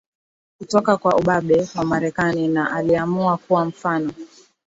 Kutoka kwa ubabe wa Marekani na Aliamua kuwa mfano